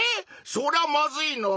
そりゃまずいのぉ。